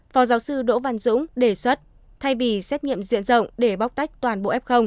phó giáo sư đỗ văn dũng đề xuất thay vì xét nghiệm diện rộng để bóc tách toàn bộ f